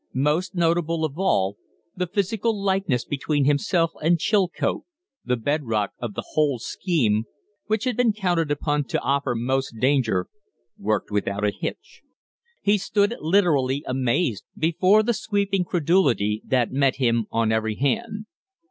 Most notable of all, the physical likeness between himself and Chilcote, the bedrock of the whole scheme, which had been counted upon to offer most danger, worked without a hitch. He stood literally amazed before the sweeping credulity that met him on every hand.